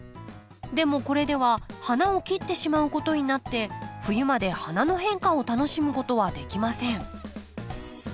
でもこれでは花を切ってしまうことになって冬まで花の変化を楽しむことはできません。